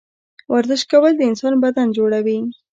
ورزش کول د انسان بدن جوړوي